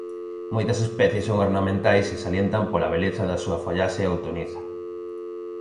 Moitas especies son ornamentais e salientan pola beleza da súa follaxe outoniza.